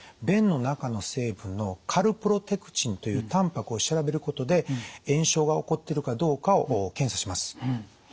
便の中の成分のカルプロテクチンというたんぱくを調べることで炎症が起こってるかどうかを検査します。